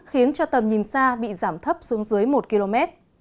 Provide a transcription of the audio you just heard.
khiến cho tầm nhìn xa bị giảm thấp xuống dưới một km